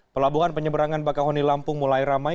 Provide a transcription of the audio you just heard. pelabuhan penyeberangan bakahoni lampung mulai ramai